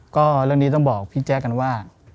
ก็เรื่องนี้ต้องบอกพี่แจ๊คกันว่า